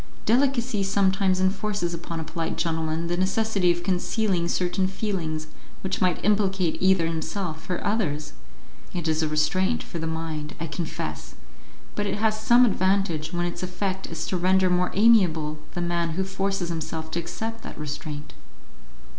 Delicacy sometimes enforces upon a polite gentleman the necessity of concealing certain feelings which might implicate either himself or others; it is a restraint for the mind, I confess, but it has some advantage when its effect is to render more amiable the man who forces himself to accept that restraint."